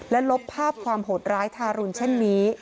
และลบภาพความโหดร้ายทารุณเช่นนี้